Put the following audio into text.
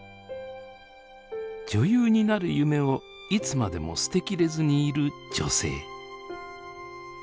女優になる夢をいつまでも捨てきれずにいる女性。